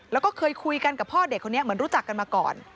แล้วก็เคยคุยกันกับพ่อเด็กคนนี้เหมือนรู้จักกันมาก่อน